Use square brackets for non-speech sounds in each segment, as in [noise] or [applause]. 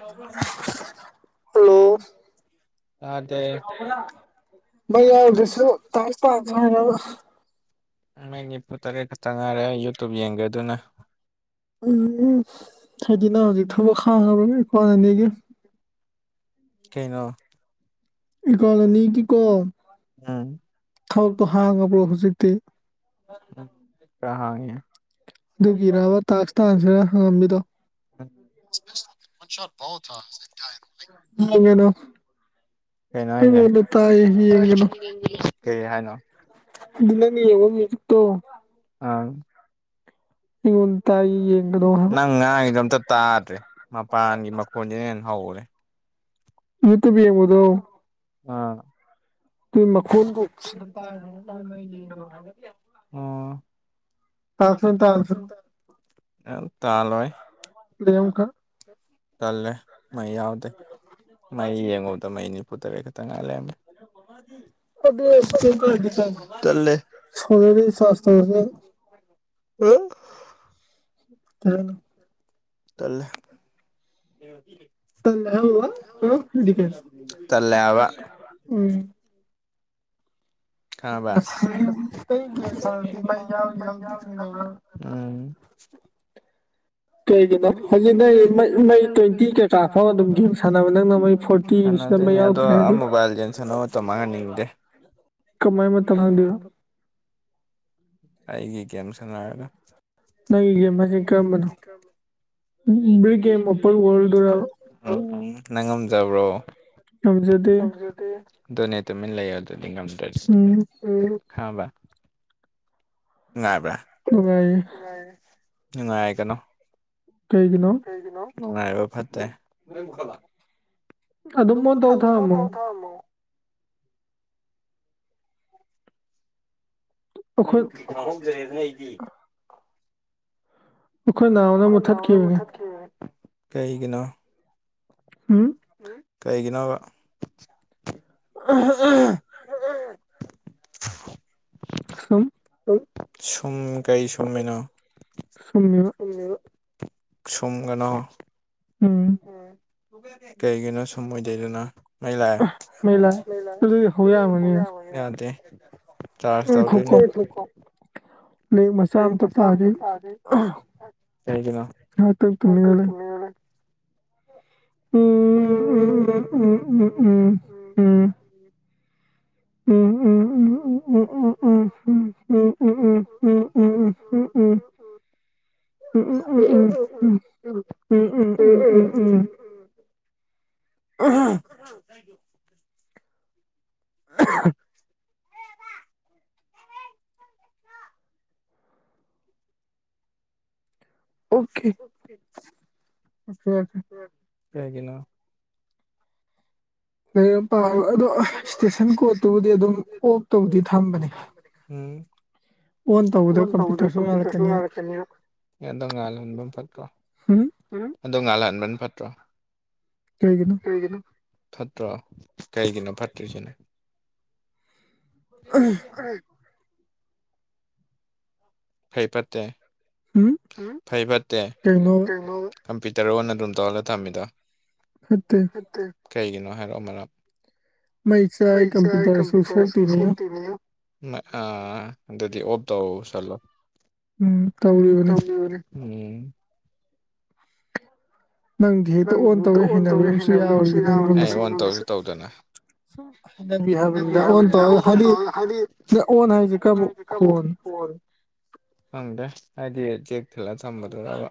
ꯍꯥꯜꯂꯣ ꯇꯥꯗꯦ ꯃꯥ ꯌꯥꯎꯗꯔꯁꯨ ꯇꯥꯛꯁ ꯇꯥꯛꯁ ꯍꯥꯏꯔꯕ ꯃꯩ ꯅꯤꯐꯨꯇꯔꯦꯠ ꯈꯥꯛꯇ ꯉꯥꯢꯔꯦ ꯌꯨꯇꯨꯞ ꯌꯦꯡꯒꯦ ꯑꯗꯨꯅ ꯎꯝ ꯍꯥꯏꯗꯤ ꯅꯪ ꯍꯧꯖꯤꯛ ꯊꯕꯛ ꯍꯥꯡꯂꯕꯔ ꯑꯦꯀꯥꯎ ꯑꯅꯤꯒꯤ ꯀꯩꯅꯣ ꯑꯦꯀꯥꯎ ꯑꯅꯤꯒꯤꯀꯣ ꯊꯕꯛꯇꯣ ꯍꯥꯡꯉꯕ꯭ꯔꯣ ꯍꯧꯖꯤꯛꯇꯤ ꯈꯔ ꯍꯥꯡꯉꯦ ꯑꯗꯨꯒꯤꯔꯕ ꯇꯥꯛꯁ ꯇꯥꯛꯁꯅ ꯍꯪꯉꯝꯃꯤꯗꯣ ꯥꯎ [inaudible] ꯃꯦꯂꯣ [inaudible] ꯀꯩꯅꯣ ꯍꯥꯏꯁꯦ ꯀꯩ ꯍꯥꯏꯅꯣ ꯑꯗꯨꯅꯅꯦ ꯃꯤꯛꯇꯣ [inaudible] ꯑꯥ ꯅꯪ ꯉꯥꯡꯉꯤꯗꯣ ꯑꯝꯇ ꯇꯥꯗ꯭ꯔꯦ ꯃꯄꯥꯟꯒꯤ ꯃꯈꯣꯟꯁꯤꯅ ꯍꯦꯟꯅ ꯍꯧꯔꯦ ꯌꯨꯇꯨꯞ ꯌꯦꯕꯗꯣ ꯑꯥ ꯑꯗꯨ ꯃꯈꯣꯟꯗꯣ ꯁꯤꯗ ꯇꯥꯏ ꯍꯥꯏꯕ ꯌꯦꯡꯕꯅ [inaudible] ꯑꯣ ꯇꯥꯛ ꯇ [inaudible] ꯑ ꯇꯜꯂꯣꯏ [inaudible] ꯃꯩ ꯌꯦꯡꯉꯨꯗ ꯃꯩ ꯅꯤꯐꯨ ꯇꯔꯦꯠ ꯈꯛꯇ ꯉꯥꯏ ꯂꯩꯔꯝꯃꯦ ꯇꯥꯜꯂꯦ ꯎꯝ ꯇꯅ ꯇꯂ ꯇꯜꯂꯦꯕ ꯈꯪꯂꯕ ꯎꯝ ꯀꯩꯒꯤꯅꯣ ꯍꯧꯖꯤꯛ ꯅꯪ ꯃꯩ ꯇꯣꯏꯇꯤ ꯀꯩꯀꯥ ꯐꯥꯎ ꯑꯗꯨꯝ ꯒꯦꯝ ꯁꯥꯟꯅꯕ ꯅꯪꯅ ꯃꯩ ꯐꯣꯔ ꯁꯥꯟꯅꯗꯣꯏꯅꯦ ꯑꯗꯣ ꯑ ꯃꯣꯕꯥꯏꯜꯁꯁꯅꯣ ꯃꯥꯡꯍꯟꯅꯤꯡꯗꯦ ꯀꯃꯥꯏ ꯃꯥ ꯇꯉꯗꯣ ꯑꯩꯒꯤ ꯒꯦꯝ ꯁꯥꯟꯅꯔꯒ ꯅꯪꯒꯤ ꯒꯦꯝ ꯍꯥꯏꯁꯦ ꯀꯔꯝꯕꯅꯣ ꯕꯔꯤꯛ ꯒꯦꯝ ꯑꯣꯄꯟ ꯋꯔꯟ ꯗꯨꯔꯕ ꯅꯪ ꯉꯝꯖꯕ꯭ꯔꯣ ꯉꯝꯖꯗꯦ ꯑꯗꯨꯅꯦ ꯇꯨꯃꯤꯟ ꯂꯩꯌꯨ ꯑꯗꯨꯗꯤ ꯉꯝꯗꯔ꯭ꯗꯤ ꯈꯪꯉꯕ ꯅꯨꯡꯉꯥꯏꯕ꯭ꯔꯥ ꯅꯨꯡꯉꯥꯏ ꯅꯨꯡꯉꯥꯢꯒꯅꯣ ꯅꯨꯡꯉꯥꯏꯕ ꯐꯠꯇꯦ ꯑꯗꯨ ꯃ ꯇꯧ ꯊꯃꯣ [inaudible] ꯑꯩꯃꯨꯛꯀꯤ ꯈꯪꯍꯧꯗ꯭ꯔꯦꯗꯅ ꯑꯩꯗꯤ [inaudible] ꯑꯩꯈꯣꯏꯈꯣꯏꯍ ꯃꯨꯊꯠ ꯀꯩꯒꯤꯅꯣ ꯀꯩꯒꯤꯅꯣꯕ ꯑ ꯑ ꯁꯨꯝ ꯀꯔꯤ ꯁꯨꯝꯃꯤꯅꯣ ꯁꯨꯝꯒꯅꯣ ꯎꯝ ꯀꯩꯒꯤꯅꯣ ꯁꯨꯝ ꯑꯣꯏꯗꯣꯏꯗꯅ ꯃꯩ ꯂꯥꯛꯑꯦ ꯃꯩ ꯂꯥꯛꯑꯦ ꯑꯗꯨꯗꯤ ꯍꯧꯕ ꯌꯥꯔꯝꯃꯅꯤꯅꯦ ꯌꯥꯗ ꯆꯔ ꯆꯗ ꯎꯝ ꯂꯥꯏꯔꯤꯛ ꯃꯆꯥ ꯑꯝꯇꯥ ꯄꯒꯦ ꯀꯅ ꯎꯝ ꯎ ꯎꯝ ꯎꯝ ꯎꯝ ꯎꯝ ꯎꯝ ꯎꯝ ꯎꯝ ꯎꯝ ꯎꯝ ꯎ ꯎ ꯎ ꯎ ꯎ ꯎꯝ ꯎꯝ ꯎꯝ ꯎꯝ ꯎꯝ ꯎꯝ ꯎꯝ ꯎꯝ ꯎꯝ ꯎꯝ ꯎꯝ ꯎꯝ ꯎꯝ ꯎꯝ ꯎꯝ ꯎꯝ ꯎꯝ ꯎꯝ ꯎ ꯕ ꯀꯌꯥꯒꯤꯅꯣ ꯂꯥꯏꯔꯤꯛ ꯑꯃ ꯄꯥꯏ ꯑꯗꯣ ꯏꯁꯇꯦꯁꯟ ꯀꯣꯔꯠꯇꯨꯕꯨꯗꯤ ꯑꯗꯨꯝ ꯑꯣꯐ ꯇꯥꯕꯨꯗꯤ ꯊꯝꯕꯅꯦ ꯎꯝ ꯍꯗ ꯀꯄꯦꯅꯤ ꯑꯦ ꯑꯗꯣ ꯉꯥꯜ ꯍꯟꯕ ꯐꯠꯇ꯭ꯔꯣ ꯑꯗꯣ ꯉꯥꯜ ꯍꯟꯕꯅ ꯐꯠꯇ꯭ꯔꯣ ꯎꯝ ꯀꯣꯏꯗꯅ ꯐꯠꯇ꯭ꯔꯣ ꯀꯩꯒꯤꯅꯣ ꯐꯠꯇ꯭ꯔꯤꯁꯤꯅꯦ [inaudible] ꯐꯩ ꯐꯠꯇꯦ ꯀꯝꯄ꯭ꯌꯨꯇꯔ ꯑꯣꯟ ꯑꯗꯨꯝ ꯇꯧꯔꯒ ꯊꯝꯃꯤꯗꯣ ꯎꯝ ꯎꯝ ꯁꯠꯇꯦ ꯀꯩꯒꯤꯅꯣ ꯍꯥꯏꯔꯛ ꯃꯔꯝ ꯑꯥ ꯑꯗꯨꯗꯤ ꯑꯣꯞ ꯇꯧ ꯆꯠꯂꯣ ꯎꯝ ꯅ ꯌꯥ ꯐꯕꯨ ꯐꯪꯗꯦ ꯍꯥꯏꯗꯤ ꯆꯦꯛ ꯊꯤꯜꯂꯒ ꯆꯝꯕꯗꯕ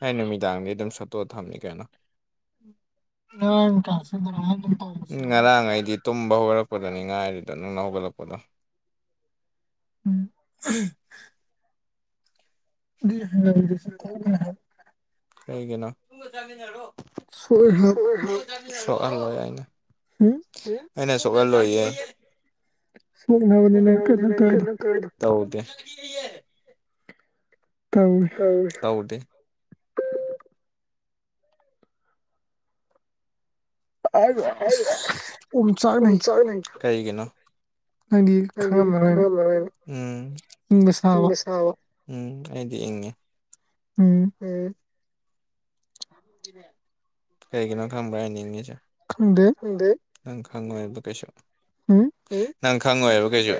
ꯍꯥꯏ ꯅꯨꯃꯤꯗꯥꯡꯗꯤ ꯑꯗꯨꯝ ꯁꯠꯇꯣꯛꯑ ꯊꯝꯃꯤ ꯀꯩꯅꯣ UNINTELLIGIBLE ꯉꯔꯥꯡ ꯑꯩꯗꯤ ꯇꯨꯝꯕ ꯍꯧꯔꯛꯄꯗꯅꯤ ꯉꯥꯏꯔꯤꯗ ꯅꯪꯅ ꯍꯧꯒꯠꯂꯛꯄꯗꯣ [inaudible] UNINTELLIGIBLE ꯀꯩꯒꯤꯅꯣ UNINTELLIGIBLE ꯁꯣꯛꯍꯜ ꯂꯣꯏ ꯑꯩꯅ ꯑꯩꯅ ꯁꯣꯛꯍꯜꯂꯣꯏꯑꯦ UNINTELLIGIBLE ꯇꯧꯗꯦ UNINTELLIGIBLE ꯇꯧꯗꯦ UNINTELLIGIBLE ꯀꯤꯒꯤꯅꫭ ꯎꯝꯒꯤ ꯁꯥꯕ ꯎꯝ ꯑꯩꯗꯤ ꯏꯪꯉꯦ ꯒ ꯀꯩꯒꯤꯅꯣ ꯈꯪꯕ꯭ꯔꯥ ꯑꯩ ꯍꯥꯏꯅꯤꯡ ꯏ ꯁꯦ ꯈꯪꯗꯦ ꯅꯪ ꯈꯪꯉꯣꯏꯕ ꯀꯩꯁꯨ ꯎ ꯅꯪ ꯈꯪꯉꯣꯏꯕ ꯀꯩꯁꯨ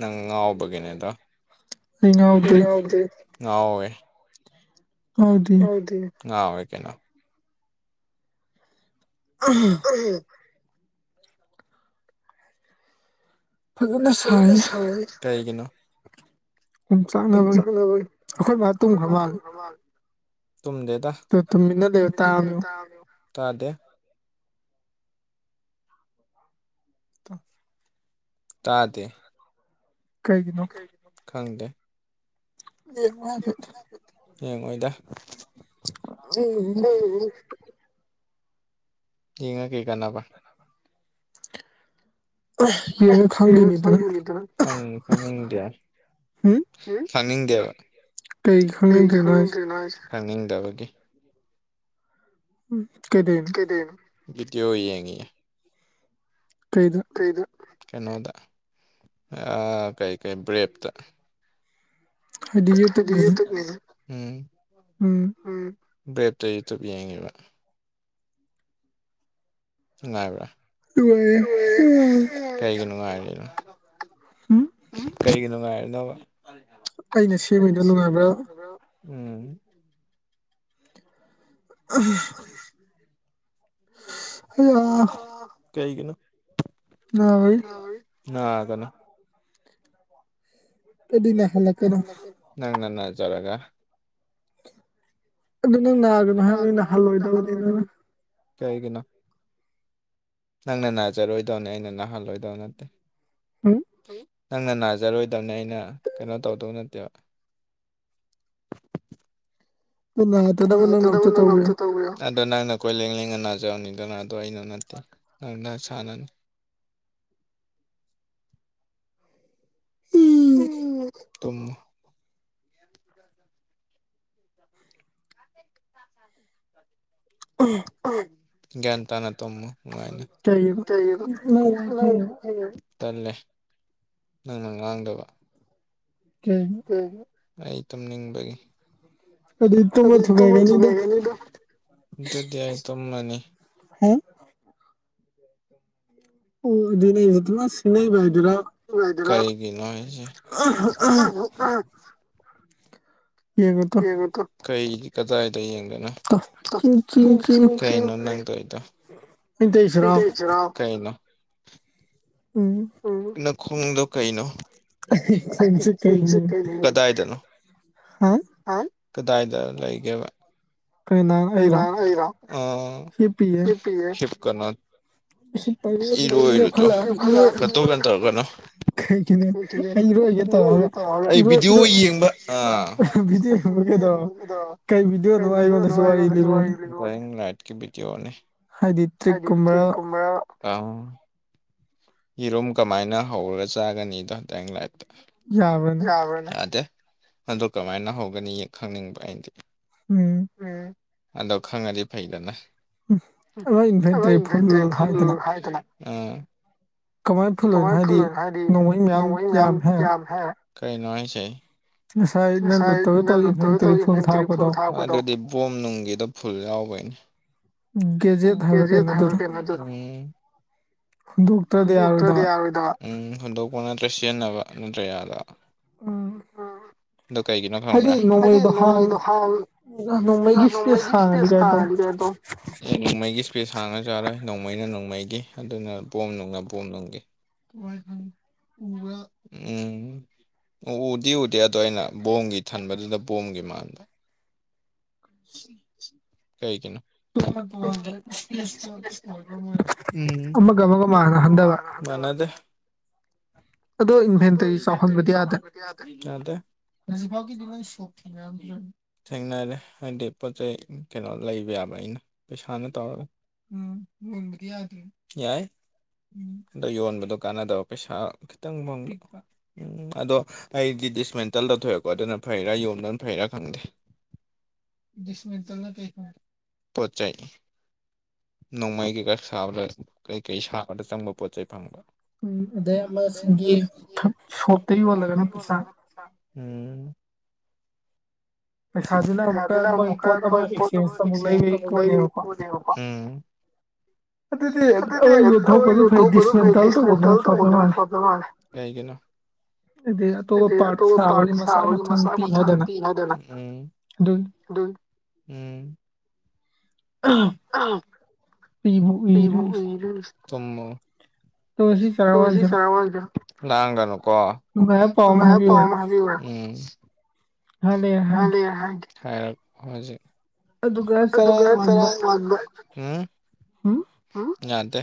ꯅꯪ ꯉꯥꯎꯕꯒꯤꯅꯦꯗ ꯉ ꯑꯋꯦ ꯑꯣꯏ ꯀꯦꯅ ꯎꯝ ꯎꯝ ꯀꯥꯏ ꯀꯅ ꯖꯤꯝ ꯆꯠꯂꯔꫭꯏ ꯑꯩꯈꫭꯏꯃꯥ ꯇꯨꯝꯈꯥꯔ ꯃꯥꯂꯦ ꯇꯨꯝꯗꯦꯗ UNINTELLIGIBLE ꯇꯥꯗꯦ ꯇꯥꯗꯦ ꯀꯩꯒꯤꯅꯣ ꯈꯪꯗꯦ UNINTELLIGIBLE ꯌꯦꯡꯑꯣꯏꯗ UNINTELLIGIBLE ꯌꯦꯡꯉꯒꯦ ꯀꯩ ꯀꯥꯟꯅꯕ UNINTELLIGIBLE UNINTELLIGIBLE ꯈꯪꯅꯤꯡꯗꯦꯕ UNINTELLIGIBLE ꯈꯪꯅꯤꯡꯗꯔꯤꯅꫭ ꯍꯥꯏꯁꯦ ꯈꯪꯅꯤꯡꯗꯕꯒꯤ ꯀꯩꯗꯧꯔꯤꯅꫭ ꯕꯤꯗꯤꯑꫭ ꯌꯦꯡꯉꯤꯌꯦ ꯀꯩꯗ ꯀꯩꯅꯣꯗ ꯀꯩ ꯀꯩ ꯕ꯭ꯔꯦꯞꯇ UNINTELLIGIBLE ꯎꯝ ꯎꯝ ꯕ꯭ꯔꯦꯇ ꯌꯨꯇꯨꯞ ꯌꯦꯡꯉꯤꯕ ꯅꯨꯡꯉꯥꯏꯕ꯭ꯔꯥ ꯅꯨꯡꯉꯥꯏꯌꯦ ꯀꯔꯤꯒꯤ ꯅꯨꯉꯥꯏꯔꯤꯅꫭ ꯀꯩꯒꯤ ꯅꯨꯡꯉꯥꯏꯔꯅꫭꯕ UNINTELLIGIBLE ꯎꯝ UNINTELLIGIBLE UNINTELLIGIBLE ꯅꯒꯅꯨ UNINTELLIGIBLE ꯍꯜꯂꯛ ꯀꯥꯅꯨ ꯅꯪ ꯅꯪꯖꯔꯒ ꯑꯗꯨ ꯅꯪ ꯅꯒꯅꯨ ꯍꯥꯏꯕꯅꯤꯅ ꯍꯥꯜꯂꯣꯏꯗꯕꯅꯤ ꯅꯪꯅ ꯀꯩꯒꯤꯅꫭ ꯅꯪꯅ ꯅꯥꯖꯔꯣꯏꯗꯧꯅꯦ ꯑꯩꯅ ꯅꯥꯍꯜꯂꯣꯏꯗꯧ ꯅꯠꯇꯦ ꯅꯪꯅ ꯅꯥꯖꯔꯣꯏꯗꯕꯅꯦ ꯑꯩꯅ ꯀꯩꯅꯣ ꯇꯧꯗꯧ ꯅꯠꯇꯦꯕ UNINTELLIGIBLE ꯑꯗꯣ ꯅꯪꯅ ꯀꯣꯏꯂꯦꯡ ꯂꯦꯡꯅ ꯅꯥꯖꯕꯅꯤꯗꯅ ꯑꯗꯣ ꯑꯩꯅ ꯅꯠꯇꯦ ꯅꯪ ꯅ ꯁꯥꯟꯅꯅꯤ UNINTELLIGIBLE ꯇꯨꯝꯃꫭ [inaudible] ꯎꯝ ꯎꯝ ꯒ꯭ꯟ ꯇꯅ ꯇꯝꯃ ꯅꯨꯡꯉꯥꯏꯅ UNINTELLIGIBLE ꯇꯜꯂꯦ ꯅꯪꯅ ꯉꯥꯡꯗꯕ ꯑꯩ ꯇꯨꯝꯅꯤꯡꯕꯒꯤ ꯑꯗꯨꯗꯤ ꯇꯨꯝꯕ ꯊꯨꯒꯥꯏꯒꯅꯤ ꯑꯗꯨꯗꯤ ꯑꯩ ꯇꯨꯝꯃꯅꯤ ꯑꯣ ꯑꯗꯨꯗꯤ ꯃꯥꯇꯅꯁ ꯎ ꯀꯔꯤꯒꯤꯅꯣ ꯍꯥꯏꯖꯦ ꯎ ꯀꯩ ꯀꯗꯥꯏꯗ ꯌꯦꯡꯗꯨꯅꯣ ꯀꯩꯅꯣ ꯅꯪ ꯇꯩꯗꯣ ꯀꯩꯅꯣ ꯅꯈꯣꯡꯗꯣ ꯀꯩꯅꯣ ꯀꯗꯥꯏꯗꯅꯣ ꯀꯗꯥꯏꯗ ꯂꯩꯒꯦꯕ UNINTELLIGIBLE ꯍꯤꯞꯄꯤꯌꯦ ꯍꯤꯞꯀꯅꯨ UNINTELLIGIBLE ꯑꯩ ꯏꯔꯣꯏꯒꯦ ꯇꯧꯔꯒ ꯏꯔꯣꯏ ꯏꯔꯣꯏ ꯌꯦꯕ ꯕꯤꯗꯤꯌꫭ ꯌꯦꯡꯕꯀꯩꯗꯧꯔꯕ ꯀꯩ ꯕꯤꯗꯑꯣꯅꯣ ꯑꯩꯉꯣꯟꯗꯁꯨ ꯋꯥꯔꯤ ꯂꯤꯔꯥꯛꯑꫭꯅꯦ ꯂꯥꯏꯀꯤꯇ ꯋꯥꯅꯤ ꯌꯦꯔꯨꯝ ꯀꯃꯥꯏꯅ ꯍꯧꯔꯒ ꯆꯥꯒꯅꯤꯗꯣ ꯇꯦꯡ ꯂꯥꯏꯞꯇ UNINTELLIGIBLE ꯌꯥꯗꯦ ꯑꯗꯣ ꯀꯃꯥꯏꯅ ꯍꯧꯒꯅꯤ ꯈꯪꯅꯤꯡꯕ ꯑꯗꯤ ꯎꯝ ꯑꯗꯣ ꯈꯪꯉꯗꯤ ꯐꯩꯗꯅꯗꯅ UNINTELLIGIBLE ꯑ ꯀꯃꯥꯏꯅ ꯐꯜꯂꯣꯏ ꯍꯥꯏꯗꯤ ꯅꯣꯡꯃꯩ ꯃꯌꯥꯝ ꯌꯥꯝ ꯍꯥꯏ ꯀꯔꯤꯅꯣ ꯍꯥꯏꯁꯦ ꯉꯁꯥꯏꯅ ꯂꯨꯠ ꯇꯧꯔ ꯊꯒꯤꯝꯅꯦ ꯐꯨꯜ ꯊꯥꯎꯀꯣ ꯑꯗꯨꯗꯤ ꯕꯣꯝ ꯅꯨꯡꯒꯤꯗ ꯐꯨꯜ ꯌꯥꯎꯕꯩꯅꯦ ꯀꯦꯖꯤꯑꯞ ꯍꯨꯟꯗꯣꯛꯇ꯭ꯔꯗꯤ ꯌꯥꯔꯣꯏꯗ ꯎꯝ ꯍꯨꯟꯗꯣꯛꯄ ꯅꯠꯇ꯭ꯔꯥ ꯁꯤꯖꯤꯟꯅꯕ ꯅꯠꯇ꯭ꯔ ꯑꯗ ꯑꯗꯣ ꯀꯩꯒꯤꯅꯣ ꯈꯪꯕ꯭ꯔ ꯍꯥꯏꯗꯤ ꯅꯣꯡꯃꯩꯗꯣ ꯍꯥꯡ ꯅꯣꯡꯃꯩꯒꯤ ꯏꯁꯄꯦꯁ ꯍꯟꯗꯦꯗꯣ ꯅꯣꯡꯃꯩꯒꯤ ꯏꯁꯄꯦꯁ ꯍꯥꯡꯉ ꯖꯔ ꯅꯣꯡꯃꯩꯅ ꯅꯣꯡꯃꯩꯒꯤ ꯑꯗꯨꯅ ꯕꯣꯝ ꯅꯨꯡꯅ ꯕꯣꯝ ꯅꯨꯡꯒꯤ ꯎꯝ ꯎ ꯗꯤꯎꯗꯦ ꯑꯩꯅ ꯕꯣꯝꯒꯤ ꯊꯟꯕꯗꯨꯗ ꯕꯣꯝꯒꯤ ꯃꯥꯟꯗ ꯀꯩꯒꯤꯅꯣ ꯃꯅꯗꯦ ꯑꯗꯣ ꯏꯟꯚꯦꯟꯇꯔꯤ ꯆꯥꯎꯍꯟꯕꯗꯤ ꯌꯥꯗꯦ ꯌꯥ ꯀꯔꯤꯅꯗ ꯍꯧꯖꯤꯛ ꯐꯥꯎꯒꯤꯗꯤ ꯅꯣꯏ ꯁꯣꯛꯈꯤ ꯃꯌꯥꯝꯣꯏ ꯊꯦꯡꯅꯔꯦ ꯍꯥꯏꯗꯤ ꯄꯣꯠ ꯆꯩ ꯀꯩꯅꯣ ꯂꯩꯕ ꯌꯥꯕ ꯑꯩꯅ ꯄꯩꯁꯥꯅ ꯇꯧꯔꯒ ꯎꯝ ꯃꯦꯟꯗꯤ ꯌꯥꯗꯔ ꯌꯥꯏ ꯎ ꯑꯗ ꯌꯣꯟꯕꯗꯣ ꯀꯥꯟꯅꯗꯕ ꯄꯩꯁꯥ ꯈꯤꯇꯪ ꯃꯪ ꯎꯝ ꯑꯗꯣ ꯑꯩꯗꯤ ꯗꯤꯁꯃꯦꯟꯇꯜ ꯇꯧꯊꯣꯛꯑꯦꯀꯣ ꯑꯗꯨꯅ ꯐꯩꯔꯥ ꯌꯣꯝꯗꯅ ꯐꯩꯔꯥ ꯈꯪꯗꯦ ꯄꯣꯠ ꯆꯩ ꯅꯣꯡꯃꯩ ꯀꯩꯀ ꯁꯥꯕ ꯂꯣꯏ ꯀꯩ ꯀꯩꯁ ꯑꯆꯪꯕ ꯄꯣꯠꯆꯩ ꯐꯪꯕ ꯎꯝ ꯑꯗꯩ ꯑꯃꯥ ꯂꯩꯔꯅꯤ ꯎꯝ [inaudible] ꯎꯝ ꯑꯗꯨꯗꯤ ꯀꯩꯒꯤꯅꯣ ꯍꯥꯏꯗꯤ ꯑꯇꯣꯞꯄ ꯄꯥꯠ ꯁꯥꯕꯒꯤ ꯃꯆꯥ ꯃꯆꯥ ꯄꯤ ꯍꯥꯅꯗꯅ ꯎꯝ ꯎꯝ ꯎꯏꯕꯨ ꯎꯏꯔꯦ ꯇꯨꯝꯃꯣ ꯑꯗꯣ ꯉꯁꯤ ꯆꯔ ꯋꯥꯟꯖꯤꯔ ꯂꯥꯡꯒꯅꯨꯀꯣ ꯅꯨꯉꯥꯏꯕ ꯄꯥꯎꯝ ꯍꯥꯏꯕꯤꯌꯨꯔ ꯎꯝ ꯍꯥꯏ ꯍꯥꯏ ꯍꯨꯖꯤ ꯎꯝ ꯌꯥꯗꯦ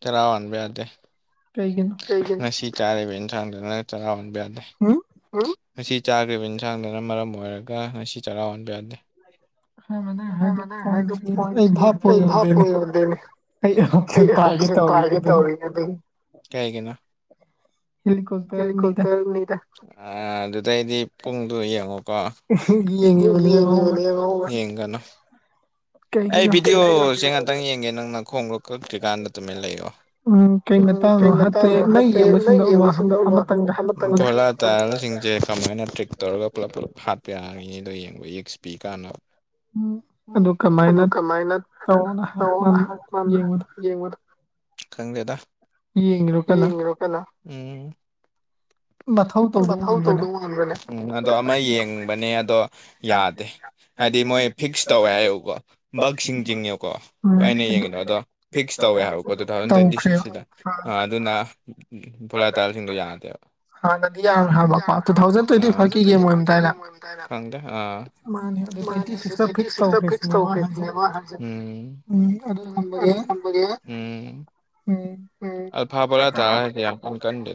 ꯇꯔꯥ ꯋꯥꯅꯕꯌꯥꯗ ꯉꯁꯤ ꯆꯥꯔꯤꯕ ꯌꯦꯟꯁꯥꯡꯗꯨ ꯅ ꯆꯔꯥ ꯍꯟꯕ ꯌꯥꯗꯦ ꯉꯁꯤ ꯆꯥꯒ꯭ꯔꯕꯤꯟ ꯁꯥꯡꯗꯨꯅ ꯃꯔꯝ ꯑꯣꯏꯔꯒ ꯉꯁꯤ ꯆꯔꯥ ꯍꯟꯕ ꯌꯥꯗꯦ ꯄꯄ ꯀꯩꯔ ꯦ ꯇꯧ ꯎ ꯑꯗꯨ ꯑꯗꯩꯗꯤ ꯄꯨꯡꯗꯨ ꯌꯦꯡꯉꯣꯀꯣ ꯌꯦꯡꯒꯅꯨ ꯑꯩ ꯚꯤꯗꯤꯑꯣꯁꯦ ꯉꯥꯛꯇꯪ ꯌꯦꯡꯒꯦ ꯅꯪ ꯅꯈꯣꯡꯒ ꯀꯛꯇ꯭ꯔꯤꯀꯥꯟꯗ ꯇꯨꯃꯤꯟ ꯂꯩꯌꯣ ꯎꯝ ꯀꯩ ꯃꯇꯇꯥꯡꯅꯣ ꯍꯥꯏꯗꯤ ꯅꯪ ꯌꯦꯡꯕꯁꯤꯡꯗꯣ ꯀꯃꯥꯏꯅ ꯇ꯭ꯔꯤꯛ ꯇꯧꯔꯒ ꯄꯨꯂꯞ ꯄꯨꯂꯞ ꯍꯥꯠꯄ ꯌꯥ ꯌꯦꯡꯕ ꯌꯦꯛꯁ ꯄꯤ ꯀꯥꯟꯅ ꯎ ꯑꯗꯣ ꯀꯃꯥꯏꯅ ꯇꯧꯅ ꯍꯥꯠꯄ ꯌꯦꯡꯕ ꯈꯪꯗꯦꯗ ꯌꯦꯡ ꯀꯩꯅꯣ ꯎꯝ꯫ ꯃꯊꯧ ꯇꯧꯗꯕ ꯑꯣꯏꯔꯝꯒꯅꯤ ꯎꯝ ꯑꯗꯣ ꯑꯃ ꯌꯦꯡꯕꯅꯦ ꯑꯗꯣ ꯌꯥꯗꯦ꯫ ꯍꯥꯏꯗꯤ ꯃꯣꯏ ꯐꯤꯛꯁ ꯇꯧꯋꯦ ꯍꯥꯏꯌꯦꯕꯀꯣ ꯕꯛꯁꯤꯡ ꯆꯤꯡꯉꯦꯀꯣ ꯕꯥꯏꯅ ꯌꯦꯡꯉꯤꯗꯣ ꯑꯗꯣ ꯐꯤꯛꯁ ꯇꯧꯋꯦ ꯍꯥꯏꯔꯣꯀꯣ ꯗꯨꯝ ꯇꯨꯊꯥꯎꯖꯟ ꯇ꯭ꯋꯦꯟꯇꯤ ꯁꯤꯛꯁꯀꯤ ꯗ ꯑꯗꯨꯅ [unintelligible] ꯁꯤꯡꯗꯣ ꯌꯥꯗꯦꯕ꯫ [unintelligible] ꯈꯪꯗꯦ ꯑꯥ꯫ [inaudible] ꯎꯝ꯫ ꯎꯝ [unintelligible] ꯇꯥ ꯀꯌꯥ꯫ ꯅ ꯀꯟꯗ